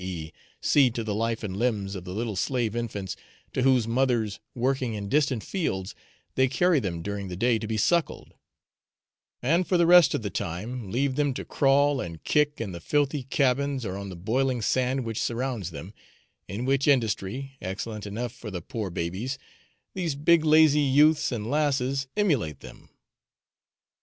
e. see to the life and limbs of the little slave infants, to whose mothers, working in distant fields, they carry them during the day to be suckled, and for the rest of the time leave them to crawl and kick in the filthy cabins or on the broiling sand which surrounds them, in which industry, excellent enough for the poor babies, these big lazy youths and lasses emulate them.